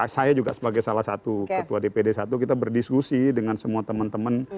saya juga sebagai salah satu ketua dpd satu kita berdiskusi dengan semua teman teman